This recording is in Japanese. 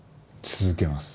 続けます。